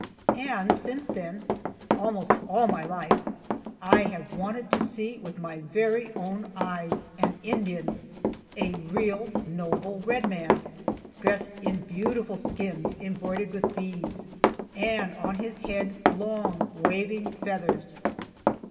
And since then almost all my life I have wanted to see with my very own eyes an Indian a real noble red man dressed in beautiful skins embroidered with beads, and on his head long, waving feathers.